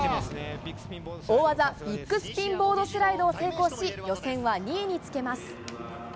大技、ビッグスピンボードスライドを成功し、予選は２位につけます。